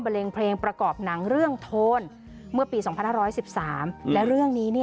เลงเพลงประกอบหนังเรื่องโทนเมื่อปี๒๕๑๓และเรื่องนี้